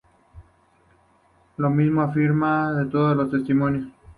Lo mismo afirma en otros testimonios.